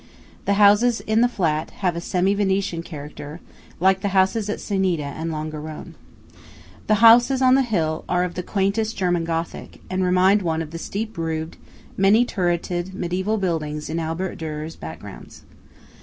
The houses in the flat have a semi Venetian character, like the houses at Ceneda and Longarone. The houses on the hill are of the quaintest German Gothic, and remind one of the steep roofed, many turreted mediæval buildings in Albert Durer's backgrounds.